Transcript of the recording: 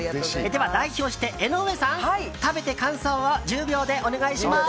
代表して江上さん、食べて感想を１０秒でお願いします。